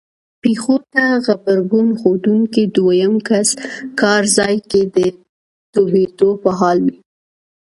پېښو ته غبرګون ښودونکی دویم کس کار ځای کې د ډوبېدو په حال وي.